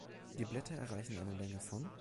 Die Blätter erreichen eine Länge von.